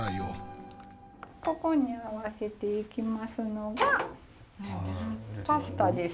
ここに合わせていきますのがパスタです。